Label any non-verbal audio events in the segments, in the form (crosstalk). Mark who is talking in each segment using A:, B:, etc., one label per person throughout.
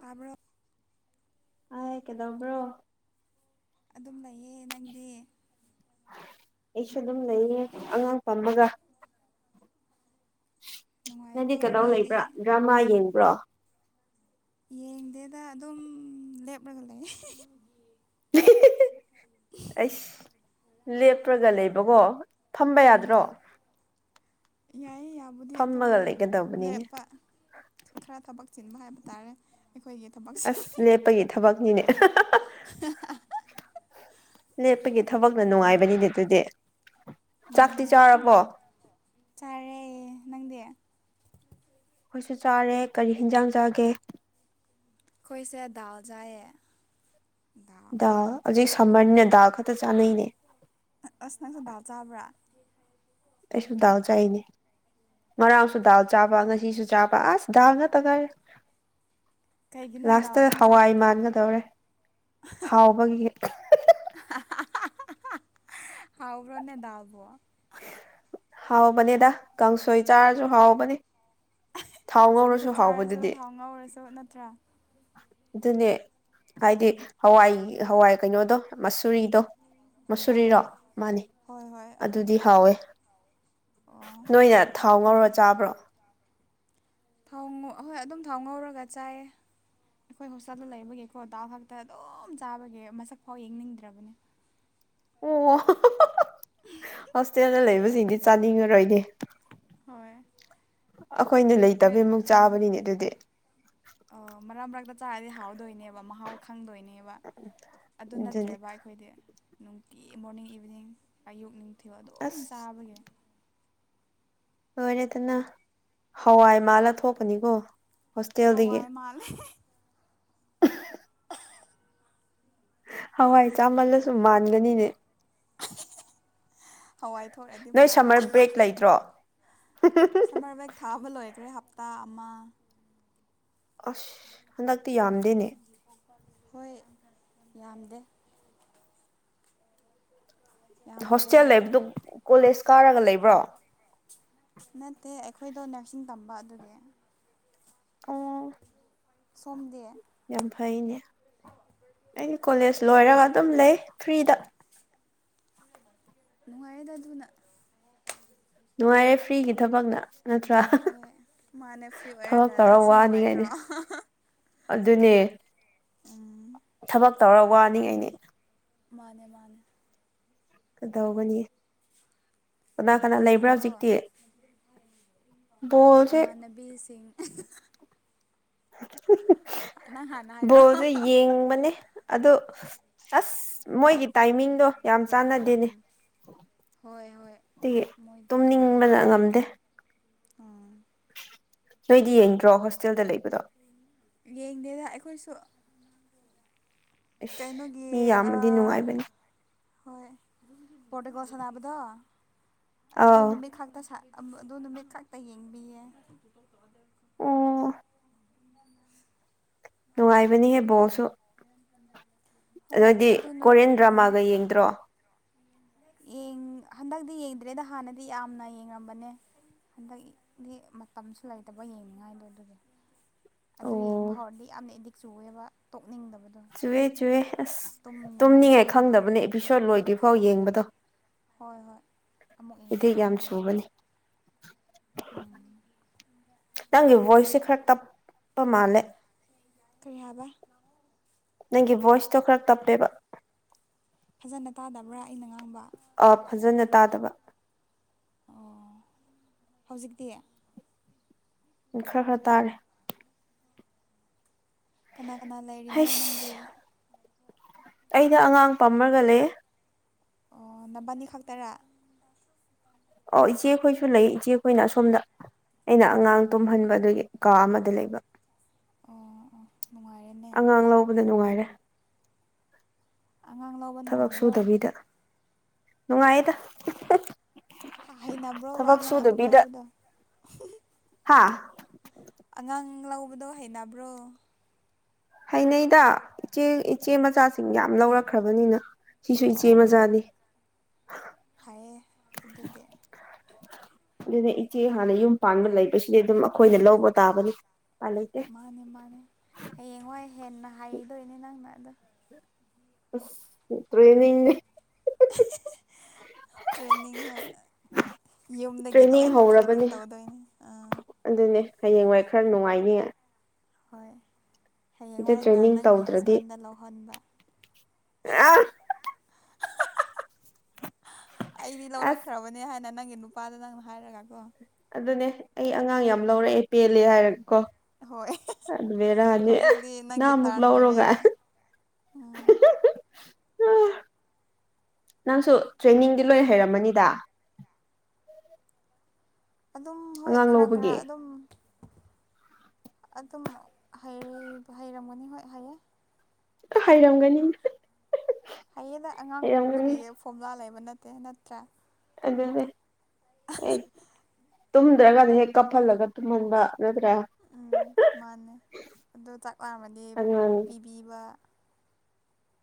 A: ꯀꯥꯕ꯭ꯔꯣ
B: ꯍꯥꯏ ꯀꯩꯗꯧꯕ꯭ꯔꯣ
A: ꯑꯗꯨꯝ ꯂꯩꯌꯦ ꯅꯪꯗꯤ
B: ꯑꯩꯁꯨ ꯑꯗꯨꯝ ꯂꯩꯌꯦ ꯑꯉꯥꯡ ꯄꯝꯃꯒ ꯅꯪꯗꯤ
A: ꯅꯨꯡꯉꯥꯏꯀꯣ
B: ꯀꯗꯧ
A: ꯃꯤꯗꯤ
B: ꯂꯩꯕ꯭ꯔꯥ ꯗ꯭ꯔꯃꯥ ꯌꯦꯡꯕ꯭ꯔꯣ
A: ꯌꯦꯡꯗꯦꯗ ꯑꯗꯨꯝ ꯂꯦꯞꯂꯒ ꯂꯩ
B: (unintelligible) ꯑꯩꯁ ꯂꯦꯞꯄꯒ ꯂꯩꯕꯀꯣ ꯐꯝꯕ ꯌꯥꯗ꯭ꯔꯣ
A: ꯎꯝ ꯌꯥꯏꯌꯦ ꯌꯥꯕꯨꯗꯤ ꯑꯗꯣ
B: ꯐꯝꯃꯒ ꯂꯩꯒꯗꯧꯕꯅꯤꯅꯦ
A: ꯂꯦꯞꯄ ꯈꯔ ꯊꯕꯛ ꯆꯤꯟꯕ ꯍꯥꯏꯕ ꯇꯥꯔꯦ ꯑꯩꯈꯣꯏꯒꯤ ꯊꯕꯛꯁꯦ
B: ꯑꯁ ꯂꯦꯞꯄꯒꯤ ꯊꯕꯛꯅꯤꯅꯦ
A: ꯑ
B: ꯂꯦꯞꯄꯒꯤ ꯊꯕꯛꯅ
A: ꯑꯗꯨꯅꯦ
B: ꯅꯨꯡꯉꯥꯏꯕꯅꯤꯅꯦ ꯑꯗꯨꯗꯤ ꯆꯥꯛꯇꯤ
A: ꯅꯨꯡꯉꯥꯏ ꯍꯣꯏ
B: ꯆꯥꯔꯕꯣ
A: ꯆꯥꯔꯦ ꯅꯪꯗꯤ
B: ꯑꯩꯈꯣꯏꯁꯨ ꯆꯥꯔꯦ ꯀꯔꯤ ꯍꯤꯟꯖꯥꯡ ꯆꯥꯒꯦ
A: ꯈꯣꯏꯁꯦ ꯗꯥꯜ ꯖꯥꯏꯌꯦ ꯗꯥ
B: ꯑ ꯑꯖꯤꯛ ꯁꯝꯃꯔꯅꯤꯅ ꯗꯥꯜ ꯈꯛꯇ ꯆꯥꯅꯩꯅꯦ
A: ꯑ ꯑꯁ ꯅꯪꯁꯨ ꯗꯥꯜ ꯆꯥꯕ꯭ꯔꯥ
B: ꯑꯩꯁꯨ ꯗꯥꯜ ꯆꯥꯏꯅꯦ ꯉꯥꯡꯁꯨ ꯗꯥꯜ ꯆꯥꯕ ꯉꯁꯤꯁꯨ ꯆꯥꯕ ꯑꯁ ꯗꯥꯜ ꯉꯠꯇ ꯉꯥꯏ
A: ꯀꯩꯒꯤꯅꯣ ꯗꯥꯜ
B: ꯂꯥꯁꯇ
A: ꯑꯗꯨꯝ
B: ꯍꯋꯥꯏ
A: ꯆꯥꯔꯤꯗꯣ
B: ꯃꯥꯟꯒꯗꯧꯔꯦ ꯍꯥꯎꯕꯒꯤ
A: ꯍꯥꯎꯕ꯭ꯔꯣꯅꯦ ꯗꯥꯜꯕꯣ
B: ꯍꯥꯎꯕꯅꯦꯗ ꯀꯥꯡꯁꯣꯏ ꯆꯥꯔꯖꯨ ꯍꯥꯎꯕꯅꯦ
A: ꯆꯝꯐꯨꯠ ꯆꯥꯔꯖꯨ ꯊꯥꯎ ꯉꯧꯔꯁꯨ ꯅꯠꯇ꯭ꯔꯥ
B: ꯗꯨꯅꯦ ꯍꯥꯏꯗꯤ ꯍꯋꯥꯏ ꯍꯋꯥꯏ ꯀꯩꯅꯣꯗꯣ ꯃꯁꯨꯨꯔꯤꯗꯣ
A: ꯑꯥ
B: ꯃꯁꯨꯨꯔꯤꯔꯣ ꯃꯥꯅꯤ
A: ꯍꯣꯏ ꯍꯣꯏ
B: ꯑꯗꯨꯗꯤ
A: ꯑꯗꯨꯅꯦ
B: ꯍꯥꯎꯋꯦ
A: ꯑꯣ
B: ꯅꯣꯏꯅ ꯊꯥꯎ
A: ꯐꯩ
B: ꯉꯧꯔ ꯆꯥꯕ꯭ꯔꯣ
A: ꯊꯥꯎꯉꯣ ꯑꯍꯣꯏ ꯑꯗꯨꯝ ꯊꯥꯎ ꯉꯧꯔꯒ ꯆꯥꯏꯌꯦ ꯑꯩꯈꯣꯏ ꯍꯣꯁꯇꯦꯜꯗ ꯂꯩꯕꯒꯤꯀꯣ ꯗꯥꯜ ꯈꯛꯇ ꯑꯗꯨꯝ ꯆꯥꯕꯒꯤ ꯃꯁꯛꯐꯥꯎ ꯌꯦꯡꯅꯤꯡꯗ꯭ꯔꯕꯅꯦ
B: ꯑꯣ
A: (unintelligible)
B: ꯍꯣꯁꯇꯦꯜꯗ ꯂꯩꯕꯖꯤꯡꯗꯤ ꯆꯥꯅꯤꯡꯉꯔꯣꯏꯅꯦ
A: ꯍꯣꯏ
B: ꯑꯈꯣꯏꯅ ꯂꯩꯇꯕꯩ ꯃꯨꯛ ꯆꯥꯕꯅꯤꯅꯦ ꯗꯨꯗꯤ
A: ꯑꯣ ꯃꯔꯥꯛ ꯃꯔꯥꯛꯇ ꯆꯥꯔꯗꯤ ꯍꯥꯎꯗꯣꯏꯅꯦꯕ ꯃꯍꯥꯎ ꯈꯪꯗꯣꯏꯅꯦꯕ ꯑꯗꯨ
B: ꯑꯗꯨꯅꯤ
A: ꯅꯠꯇ꯭ꯔꯦꯕ ꯑꯩꯈꯣꯏꯗꯤ ꯅꯨꯡꯇꯤ ꯃꯣꯔꯅꯤꯡ ꯏꯚꯤꯅꯤꯡ ꯑꯌꯨꯛ ꯅꯤꯡ ꯊꯤꯜ ꯑꯗꯨꯝ
B: ꯑꯁ
A: ꯆꯥꯕꯒꯤ
B: ꯂꯣꯏꯔꯦꯗꯅ ꯍꯋꯥꯏ ꯃꯥꯜꯂ ꯊꯣꯛꯄꯅꯤꯀꯣ ꯍꯣꯁꯇꯦꯜꯗꯒꯤ
A: ꯃꯥꯂꯦ (inaudible)
B: ꯍꯋꯥꯏ ꯆꯥꯃꯜꯂꯁꯨ ꯃꯥꯟꯒꯅꯤꯅꯦ
A: ꯍꯋꯥꯏ ꯊꯣꯛꯔꯗꯤ
B: ꯅꯣꯏ
A: ꯐꯥꯕ
B: ꯁꯝꯃꯔ ꯕ꯭ꯔꯦꯛ ꯂꯩꯇ꯭ꯔꯣ
A: ꯁꯝꯃꯔ ꯕꯦꯛ ꯊꯥꯕ ꯂꯣꯏꯈ꯭ꯔꯦ ꯍꯞꯇꯥ ꯑꯃ
B: ꯑꯁ ꯍꯟꯗꯛꯇꯤ ꯌꯥꯝ
A: ꯍꯣꯏ ꯌꯥꯝꯗꯦ ꯌꯥꯝꯗꯔꯦ
B: ꯍꯣꯁꯇꯦꯜ ꯂꯩꯕꯗꯨ ꯀꯣꯂꯦꯖ ꯀꯥꯔꯒ ꯂꯩꯕ꯭ꯔꯣ
A: ꯅꯠꯇꯦ ꯑꯩꯈꯣꯏꯗꯣ ꯅꯔꯁꯤꯡ ꯇꯝꯕ ꯑꯗꯨꯒꯤ
B: ꯑꯣ
A: ꯁꯣꯝꯗꯤ
B: ꯌꯥꯝ ꯐꯩꯅꯦ ꯑꯩꯗꯤ ꯀꯣꯂꯦꯖ ꯂꯣꯏꯔꯒ ꯑꯗꯨꯝ ꯂꯩ ꯐ꯭ꯔꯤꯗ
A: ꯅꯨꯡꯉꯥꯏꯌꯦꯗ ꯗꯨꯅ
B: ꯅꯨꯡꯉꯥꯏꯌꯦ ꯐ꯭ꯔꯤꯒꯤ ꯊꯕꯛꯅ ꯅꯠꯇ꯭ꯔꯥ
A: ꯍꯣꯏ ꯃꯥꯅꯦ ꯐ꯭ꯔꯤ
B: ꯊꯕꯛ
A: ꯑꯣꯏꯔꯒ
B: ꯇꯧꯔ
A: ꯑꯁꯤ ꯅꯨꯡꯉꯥꯏꯇ꯭ꯔꯣ
B: ꯋꯥꯅꯤꯡꯉꯥꯏꯅꯦ ꯑꯗꯨꯅꯦ
A: ꯎꯝ
B: ꯊꯕꯛ ꯇꯧꯔ ꯋꯥꯅꯤꯡꯉꯥꯏꯅꯤ
A: ꯃꯥꯅꯦ ꯃꯥꯅꯦ
B: ꯀꯗꯧꯒꯅꯤ ꯀꯅꯥ ꯀꯅꯥ
A: ꯕꯣꯜ
B: ꯂꯩꯕ꯭ꯔꯥ
A: ꯌꯦꯡꯕ꯭ꯔꯣ
B: ꯍꯧꯖꯤꯛꯇꯤ ꯕꯣꯜꯖꯦ
A: ꯕꯤꯁꯤꯡ ꯅꯪ ꯍꯥꯟꯅ
B: ꯕꯣꯜꯖꯦ
A: ꯍꯥꯏꯔꯛꯑꯣ
B: ꯌꯦꯡꯕꯅꯦ ꯑꯗꯨ ꯑꯁ ꯃꯣꯏꯒꯤ ꯇꯥꯏꯃꯤꯡꯗꯣ ꯌꯥꯝ ꯆꯥꯟꯅꯗꯦꯅꯦ
A: ꯎꯝ ꯍꯣꯏ ꯍꯣꯏ
B: ꯇꯤꯒꯤ
A: ꯃꯣꯏꯗꯤ ꯎꯝ
B: ꯇꯨꯝꯅꯤꯡꯕꯗ ꯉꯝꯗꯦ
A: ꯎꯝ
B: ꯅꯣꯏꯗꯤ ꯌꯦꯡꯗ꯭ꯔꯣ ꯍꯣꯁꯇꯦꯜꯗ ꯂꯩꯕꯗꯣ
A: ꯌꯦꯡꯗꯦꯗ ꯑꯩꯈꯣꯏꯁꯨ
B: ꯏꯁ
A: ꯀꯩꯅꯣꯒꯤ
B: ꯃꯤ ꯌꯥꯝꯃꯗꯤ
A: ꯑꯥ
B: ꯅꯨꯡꯉꯥꯏꯕꯅꯤ
A: ꯍꯣꯏ ꯄꯣꯔꯇꯦꯒꯣꯜ ꯁꯥꯟꯅꯕꯗꯣ ꯑꯗꯨ
B: ꯑꯥꯎ
A: ꯅꯨꯃꯤꯠ ꯈꯛꯇ ꯁꯥ (unintelligible) ꯑꯗꯨ ꯅꯨꯃꯤꯠ ꯈꯛꯇ ꯌꯦꯡꯕꯤꯌꯦ
B: ꯑꯣ
A: (inaudible)
B: (inaudible) ꯅꯨꯡꯉꯥꯏꯕꯅꯤꯍꯦ ꯕꯣꯜꯁꯨ
A: ꯍꯣꯏ
B: ꯑꯣꯏꯗꯤ
A: ꯑꯗꯨ ꯅꯨ
B: ꯀꯣꯔꯤꯌꯟ
A: ꯑꯣ
B: ꯗ꯭ꯔꯃꯥꯒ ꯌꯦꯡꯗ꯭ꯔꯣ
A: ꯌꯦꯡ ꯍꯟꯗꯛꯇꯤ ꯌꯦꯡꯗ꯭ꯔꯦꯗ ꯍꯥꯟꯅꯗꯤ ꯌꯥꯝꯅ ꯌꯦꯡꯉꯝꯕꯅꯦ ꯍꯟ ꯗꯛ ꯗꯤ ꯃꯇꯝꯁꯨ ꯂꯩꯇꯕ ꯌꯦꯡꯅꯤꯡꯉꯥꯏꯗꯣ ꯑꯗꯨꯒꯤ ꯑꯗꯨ ꯌꯦꯡꯕ ꯍꯧꯔꯗꯤ ꯌꯥꯝꯅ ꯑꯦꯗꯤꯛ ꯆꯨꯋꯦꯕ ꯇꯣꯛꯅꯤꯡꯗꯕꯗꯣ
B: ꯆꯨꯑꯦ ꯆꯨꯑꯦ ꯑꯁ
A: ꯇꯨꯝꯅꯤꯡꯉꯥꯏꯁꯨ
B: ꯇꯨꯝꯅꯤꯡꯉꯥꯏ ꯈꯪꯗꯕꯅꯦ
A: ꯈꯪꯗ꯭ꯔꯦꯕ
B: ꯑꯦꯄꯤꯁꯣꯠ ꯂꯣꯏꯗ꯭ꯔꯤꯐꯥꯎ
A: ꯍꯣꯏ ꯍꯣꯏ
B: ꯌꯦꯡꯕꯗꯣ
A: ꯍꯣꯏ ꯍꯣꯏ ꯑꯃꯨꯛ
B: ꯏꯗꯤꯛ
A: ꯌꯦꯡꯅꯤꯡꯕ
B: ꯌꯥꯝ
A: ꯑꯃꯨꯛ
B: ꯆꯨꯕꯅꯤ
A: ꯌꯦꯡꯅꯤꯡꯕ ꯎꯝ
B: ꯅꯪꯒꯤ ꯚꯣꯏꯁꯁꯦ ꯈꯔ ꯇꯞꯄ ꯃꯥꯜꯂꯦ
A: ꯀꯩ ꯍꯥꯏꯕ
B: ꯅꯪꯒꯤ ꯚꯣꯏꯁꯇꯣ ꯈꯔ ꯇꯞꯄꯦꯕ
A: ꯐꯥꯖꯅ ꯇꯥꯗꯕ꯭ꯔꯥ ꯑꯩꯅ ꯉꯥꯡꯕ
B: ꯑꯥ ꯐꯥꯖꯅ ꯇꯥꯗꯕ
A: ꯑꯣ ꯍꯧꯖꯤꯛꯇꯤ
B: ꯈꯔ ꯈꯔ ꯇꯥꯔꯦ
A: ꯀꯅꯥ ꯀꯅꯥ ꯂꯩ
B: ꯍꯩꯁ ꯑꯩꯅ ꯑꯉꯥꯡ ꯄꯝꯔꯒ ꯂꯩꯌꯦ
A: ꯑꯣ ꯅꯕꯥꯅꯤ ꯈꯥꯛꯇꯔꯥ
B: ꯑꯣ ꯏꯆꯦꯈꯣꯏꯁꯨ ꯂꯩ ꯏꯆꯦꯈꯣꯏꯅ ꯑꯁꯣꯝꯗ ꯑꯩꯅ
A: ꯑꯣ ꯑꯣ
B: ꯑꯉꯥꯡ ꯇꯨꯝꯍꯟꯕ ꯑꯗꯨꯒꯤ ꯀꯥ ꯑꯃꯗ ꯂꯩꯕ
A: ꯑꯣ ꯑꯣ ꯅꯨꯡꯉꯥꯏꯔꯦꯅꯦ
B: ꯑꯉꯥꯡ ꯂꯧꯕꯗꯣ ꯅꯨꯡꯉꯥꯏꯔꯦ
A: ꯑꯉꯥꯡ ꯂꯧꯕ
B: ꯊꯕꯛ
A: ꯅꯨꯡꯉꯥꯏꯕ꯭ꯔꯣ
B: ꯁꯨꯗꯕꯤꯗ ꯅꯨꯡꯉꯥꯏꯌꯦꯗ (unintelligible)
A: ꯍꯥ ꯍꯩꯅꯕ꯭ꯔꯣꯕ
B: ꯊꯕꯛ
A: ꯑꯉꯥꯡ ꯑꯗꯨꯝ ꯂꯧꯕꯗꯣ (unintelligible)
B: ꯍꯥꯥ
A: ꯑꯉꯥꯡ ꯂꯧꯕꯗꯣ ꯍꯩꯅꯕ꯭ꯔꯣ
B: ꯍꯩꯅꯩꯗ ꯏꯆꯦ ꯏꯆꯦ ꯃꯆꯥꯁꯤꯡ ꯌꯥꯝ ꯂꯧꯔꯛꯈ꯭ꯔꯕꯅꯤꯅ ꯁꯤꯁꯨ ꯏꯆꯦ ꯃꯆꯥꯅꯦ
A: ꯐꯥꯏꯌꯦ ꯑꯗꯨꯗꯤ
B: (unintelligible) ꯑꯗꯨꯅꯦ ꯏꯆꯦ ꯍꯥꯟꯅ ꯌꯨꯝ ꯄꯥꯟꯕ ꯂꯩꯕꯁꯤꯗꯤ ꯑꯗꯨꯝ ꯑꯩꯈꯣꯏꯅ ꯂꯧꯕ ꯇꯥꯕꯅꯤ ꯎꯄꯥꯏ ꯂꯩꯇꯦ
A: ꯃꯥꯅꯦ ꯃꯥꯅꯦ ꯍꯌꯦꯡꯋꯥꯏ ꯍꯦꯟꯅ ꯍꯩꯗꯣꯏꯅꯦ ꯅꯪꯅ ꯑꯗꯣ
B: ꯑꯋ ꯇ꯭ꯔꯦꯅꯤꯡꯅꯤ
A: ꯇ꯭ꯔꯦꯅꯤꯡ ꯍꯣꯏ ꯌꯨꯝꯗꯒꯤ
B: ꯇ꯭ꯔꯦꯅꯤꯡ
A: ꯂꯣꯏꯅ ꯇ꯭ꯔꯦꯟꯅꯤꯡ
B: ꯍꯧꯔꯕꯅꯦ
A: ꯇꯧꯗꯣꯏꯅꯤ ꯑꯥ
B: ꯑꯗꯨꯅꯦ ꯍꯌꯦꯡꯋꯥꯏ ꯈꯔ ꯅꯨꯡꯉꯥꯏꯅꯤ
A: ꯍꯣꯏ
B: ꯁꯤꯗ
A: ꯍꯌꯦꯡꯋꯥꯏ ꯑꯣꯏꯅ
B: ꯇ꯭ꯔꯦꯅꯤꯡ
A: ꯅꯪꯒꯤ
B: ꯇꯧꯗ꯭ꯔꯗꯤ
A: ꯍꯁꯕꯦꯟꯗ ꯂꯧꯍꯟꯕ
B: ꯑ
A: ꯑꯩꯗꯤ
B: ꯑꯁ
A: ꯂꯧꯔꯛꯈ꯭ꯔꯕꯅꯦ ꯍꯥꯏꯅ ꯅꯪꯒꯤ ꯅꯨꯄꯥꯗꯣ ꯅꯪꯅ ꯍꯥꯏꯔꯒ ꯀꯣ
B: ꯑꯗꯨꯅꯦ ꯑꯩ ꯑꯉꯥꯡ ꯌꯥꯝ ꯂꯧꯔꯛꯑꯦ ꯄꯦꯜꯂꯦ ꯍꯥꯏꯔꯒ ꯀꯣ
A: ꯍꯣꯏ
B: ꯑꯗꯨꯔꯅꯤ
A: ꯍꯧꯖꯤꯛꯇꯤ
B: ꯅ
A: ꯅꯪꯒꯤ
B: ꯑꯃꯨꯛ
A: ꯇꯔꯟ
B: ꯂꯧꯔꯣꯒ
A: ꯑꯣꯏꯔꯦꯅ ꯎꯝ
B: (unintelligible) ꯅꯪꯁꯨ ꯇ꯭ꯔꯦꯅꯤꯡꯗꯤ ꯂꯣꯏꯅ ꯍꯩꯔꯝꯃꯅꯤꯗ
A: ꯑꯗꯨꯝ ꯍꯣꯏ
B: ꯑꯉꯥꯡ
A: ꯈꯔ ꯈꯔ
B: ꯂꯧꯕꯒꯤ
A: ꯑꯗꯨꯝ ꯑꯗꯨꯝ ꯍꯩꯔꯝꯃꯅꯤ ꯍꯣꯏ ꯍꯥꯏꯌꯦ
B: ꯍꯥꯏꯔꯝꯒꯅꯤ
A: ꯍꯌꯦꯡꯗ ꯑꯉꯥꯡꯕꯨ ꯀꯔꯤ ꯐꯣꯔꯃꯨꯂꯥ ꯂꯩꯕ ꯅꯠꯇꯦ ꯅꯠꯇ꯭ꯔꯥ
B: ꯑꯗꯨ ꯍꯦꯛ ꯇꯨꯝꯗ꯭ꯔꯒꯗꯤ ꯍꯦꯛ ꯀꯞꯍꯜꯂꯒ ꯇꯨꯝꯍꯟꯕ ꯅꯠꯇ꯭ꯔꯥ
A: ꯎꯝ ꯃꯥꯅꯦ ꯑꯗꯨ ꯆꯥꯛ ꯂꯥꯝꯃꯗꯤ
B: ꯑꯉꯥꯡ
A: ꯄꯤꯕꯤꯕ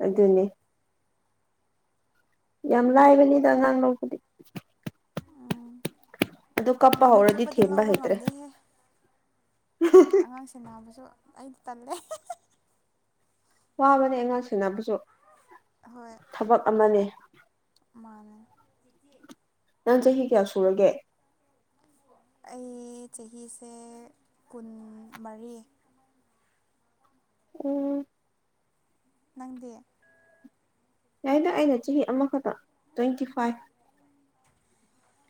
B: ꯑꯗꯨꯅꯤ ꯌꯥꯝ ꯂꯥꯏꯕꯅꯤꯗ ꯑꯉꯥꯡ ꯂꯕꯨꯗꯤ
A: ꯎꯝ
B: ꯑꯗꯨ ꯀꯞꯄ
A: ꯅꯨꯃꯤꯠ
B: ꯍꯧꯔꯗꯤ
A: ꯆꯨꯞꯄꯗꯤ
B: ꯊꯦꯝꯕ
A: ꯂꯧꯕ
B: ꯍꯩꯇ꯭ꯔꯦ
A: ꯉꯝꯗꯦꯍꯦ ꯑꯉꯥꯡꯁꯤꯡ ꯅꯥꯕꯁꯨ ꯑꯩ ꯇꯜꯂꯦ
B: ꯋꯥꯕꯅꯤ ꯑꯉꯥꯡ ꯁꯦꯅꯕꯁꯨ
A: ꯍꯣꯏ
B: ꯊꯕꯛ ꯑꯃꯅꯤ
A: ꯃꯥꯟ
B: ꯅꯪ ꯆꯍꯤ ꯀꯌꯥ ꯁꯨꯔꯒꯦ
A: ꯑꯩ ꯆꯍꯤꯁꯦ ꯀꯨꯟ ꯃꯔꯤ
B: ꯎꯝ
A: ꯅꯪꯗꯦ
B: ꯌꯥꯏꯗ ꯑꯩꯅ ꯆꯍꯤ ꯑꯃꯈꯛꯇ ꯇ꯭ꯋꯦꯟꯇꯤ ꯐꯥꯏꯚ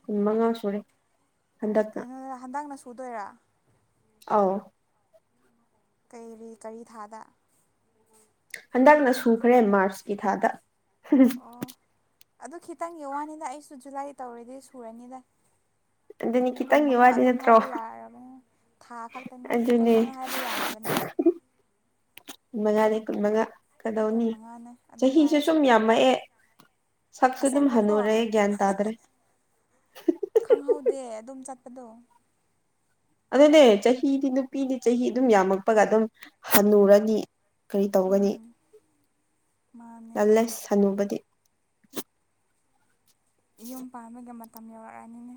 B: ꯀꯨꯟ ꯃꯉꯥ ꯁꯨꯔꯦ ꯍꯟꯗꯛꯅ
A: ꯀꯩꯅꯣꯗ ꯍꯟꯗꯛꯅ ꯁꯨꯗꯣꯏꯔꯥ
B: ꯑꯥꯎ
A: ꯀꯩꯔꯤ ꯀꯔꯤ ꯊꯥꯗ
B: ꯍꯟꯗꯛꯅ ꯁꯨꯈ꯭ꯔꯦ ꯃꯥꯔꯁꯀꯤ ꯊꯥꯗ
A: ꯑꯣ ꯑꯗꯨ ꯈꯤꯇꯪꯒꯤ ꯋꯥꯅꯤꯅ ꯑꯩꯁꯨ ꯖꯨꯂꯥꯏ ꯇꯧꯔꯗꯤ ꯁꯨꯔꯅꯤꯗ
B: ꯑꯗꯨꯅꯤ
A: ꯀꯨꯟ
B: ꯈꯤꯇꯪꯒꯤ
A: ꯃꯉꯥ
B: ꯋꯥꯗꯤ
A: ꯑꯗꯨꯝ
B: ꯅꯠꯇ꯭ꯔꯣ
A: ꯍꯥꯏꯕ ꯌꯥꯔꯕꯅꯦ ꯊꯥ ꯈꯛꯇꯅꯤ ꯀꯨꯟ
B: ꯑꯗꯨꯅꯦ
A: ꯃꯉꯥ ꯍꯥꯏꯕ ꯌꯥꯔꯕꯅꯦ
B: ꯀꯨꯟ ꯃꯉꯥꯅꯦ ꯀꯨꯟ ꯃꯉꯥ ꯀꯗꯧꯅꯤ
A: ꯀꯨꯟ ꯃꯉꯥꯅꯦ ꯑꯗꯨꯝ
B: ꯆꯍꯤꯁꯦ
A: ꯍꯥꯏꯔꯁꯦ
B: ꯁꯨꯝ ꯌꯥꯝꯃꯛꯑꯦ ꯁꯛꯁꯨ ꯑꯗꯨꯝ
A: ꯑꯁꯦꯡꯕꯀꯣ
B: ꯍꯅꯔꯦ ꯒꯌꯥꯟ ꯇꯥꯗ꯭ꯔꯦ
A: ꯈꯪꯍꯧꯗꯦ ꯑꯗꯨꯝ ꯆꯠꯄꯗꯣ
B: ꯑꯗꯨꯅꯦ ꯆꯍꯤꯗꯤ ꯅꯨꯄꯤꯗꯤ ꯆꯍꯤ ꯑꯗꯨꯝ ꯌꯥꯝꯃꯛꯄꯒ ꯑꯗꯨꯝ ꯍꯜꯟꯅꯨꯔꯅꯤ ꯀꯔꯤ ꯇꯧꯒꯅꯤ
A: ꯎꯝ ꯃꯥꯅꯦ
B: ꯂꯜꯂꯦ ꯁꯅꯨꯕꯗꯤ
A: ꯌꯨꯝ ꯄꯥꯟꯕꯒꯤ ꯃꯇꯝ ꯌꯧꯔꯛꯑꯅꯤꯅꯦ